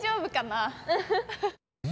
あ！